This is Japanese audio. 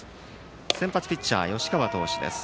先発ピッチャー、吉川投手です。